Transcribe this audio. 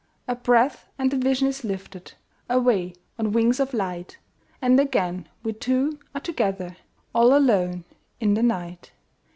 A breath, and the vision is lifted Away on wings of light, And again we two are together, All alone in the night.